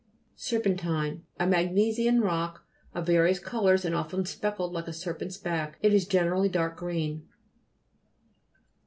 SER'PENTINE A magnesian rock of various colours and often speckled like a serpents back. It is gene rally dark green.